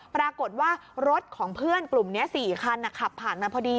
ปรากฏว่ารถของเพื่อนกลุ่มนี้๔คันขับผ่านมาพอดี